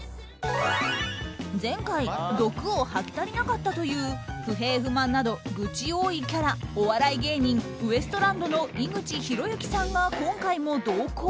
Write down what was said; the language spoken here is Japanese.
前回毒を吐き足りなかったという不平・不満など愚痴多いキャラお笑い芸人ウエストランドの井口浩之さんが今回も同行。